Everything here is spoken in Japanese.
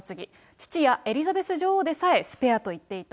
父やエリザベス女王でさえ、スペアと言っていた。